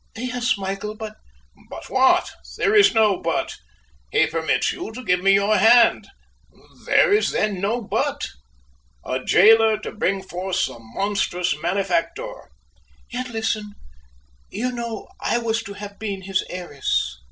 "Yes, Michael, but " "But what! there is no but; he permits you to give me your hand; there is then no but 'a jailer to bring forth some monstrous malefactor.'" "Yet listen! You know I was to have been his heiress!"